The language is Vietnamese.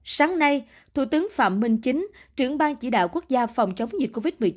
sáng nay thủ tướng phạm minh chính trưởng ban chỉ đạo quốc gia phòng chống dịch covid một mươi chín